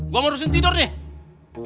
gua mau disini tidur nih